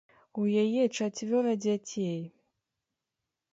У яе чацвёра дзяцей.